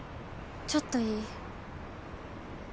ちょっといい？